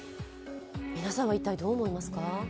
皆さんは一体どう思いますか？